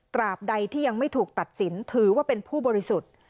บใดที่ยังไม่ถูกตัดสินถือว่าเป็นผู้บริสุทธิ์